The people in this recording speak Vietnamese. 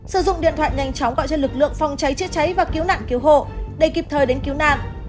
sử dụng điện thoại nhanh chóng gọi cho lực lượng phòng cháy chữa cháy và cứu nạn cứu hộ để kịp thời đến cứu nạn